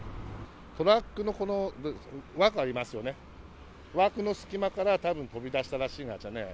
トラックのこの枠ありますよね、枠の隙間からたぶん飛び出したらしい。